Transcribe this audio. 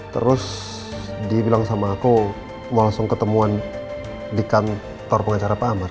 terus dia bilang sama aku mau langsung ketemuan di kantor pengacara pak ahmad